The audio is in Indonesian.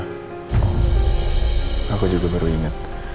aku juga baru ingat